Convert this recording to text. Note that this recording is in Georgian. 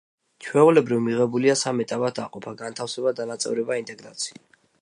ჩვეულებრივ, მიღებულია სამ ეტაპად დაყოფა: განთავსება, დანაწევრება, ინტეგრაცია.